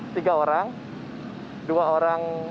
tiga orang dua orang